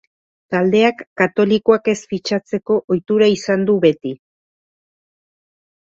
Taldeak katolikoak ez fitxatzeko ohitura izan du beti.